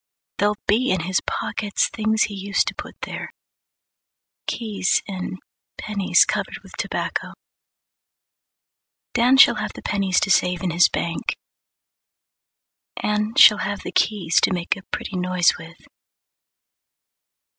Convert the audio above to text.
There'll be in his pockets Things he used to put there, Keys and pennies Covered with tobacco; Dan shall have the pennies To save in his bank; Anne shall have the keys To make a pretty noise with.